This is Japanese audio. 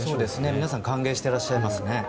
皆さん歓迎してらっしゃいますね。